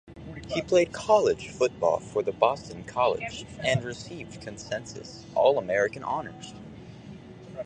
He played college football for the Boston College, and received consensus All-American honors.